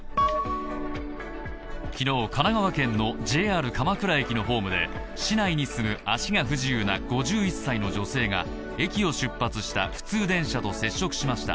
昨日、神奈川県のＪＲ鎌倉駅のホームで市内に住む足が不自由な５１歳の女性が駅を出発した普通電車と接触しました。